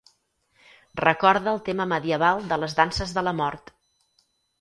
Recorda el tema medieval de les danses de la mort.